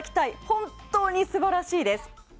本当に素晴らしいです。